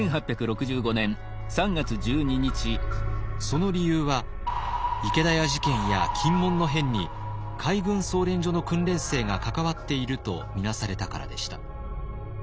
その理由は池田屋事件や禁門の変に海軍操練所の訓練生が関わっていると見なされたからでした。